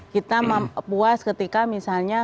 kita puas ketika misalnya